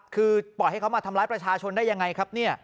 คือปล่อยให้เขามาทำร้ายประชาชนได้ยังไงครับเนี่ย